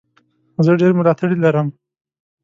زه ډېر ملاتړي لرم.